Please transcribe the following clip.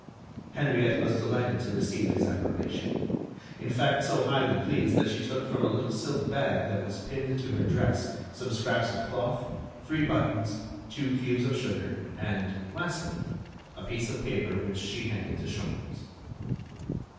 Henriette was delighted to receive his approbation, in fact so highly pleased that she took from a little silk bag that was pinned to her dress some scraps of cloth, three buttons, two cubes of sugar and, lastly, a piece of paper which she handed to Sholmes.